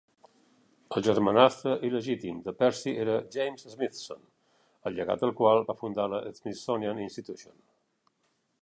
El germanastre il·legítim de Percy era James Smithson, el llegat del qual va fundar la Smithsonian Institution.